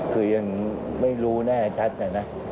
คือยังไม่รู้แน่ชัดนะ